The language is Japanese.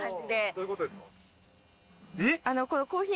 そういうことですかえっ？